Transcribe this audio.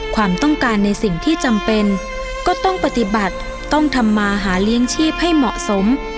ความต้องการในสิ่งที่จำเป็นก็ต้องปฏิบัติต้องทำมาหาเลี้ยงชีพให้เหมาะสม